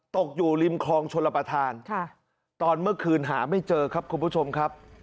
ตกอยู่ริมคลองชลประธานตอนเมื่อคืนหาไม่เจอครับคุณผู้ชมครับ